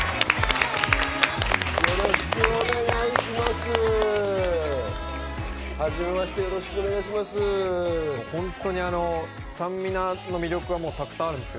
よろしくお願いします。